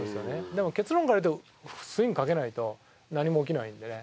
でも結論から言うとスイングかけないと何も起きないんでね